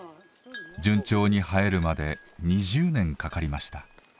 順調に生えるまで２０年かかりました。